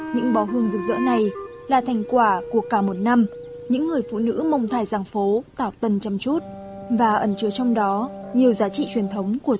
những bó hương rực rỡ này là thành quả của cả một năm những người phụ nữ mông thải giảng phố tạo tần trầm chút và ẩn trứa trong đó nhiều giá trị truyền thống của dân tộc